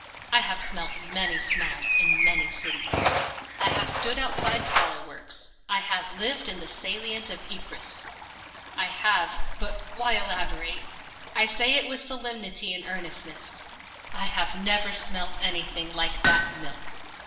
I have smelt many smells in many cities : I have stood outside tallow works. I have lived in the salient of Ypres. I have — but why elaborate ? I say it with solemnity and earnestness : I have never smelt anything like that milk